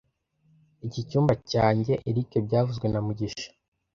Iki cyumba cyanjye, Eric byavuzwe na mugisha